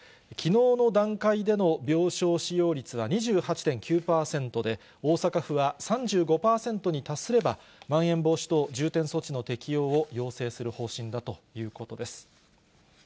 きのうの段階での病床使用率は２８．９％で、大阪府は３５％に達すれば、まん延防止等重点措置の適用を要請する方針だということです。